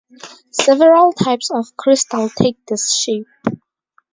Several types of crystal take this shape.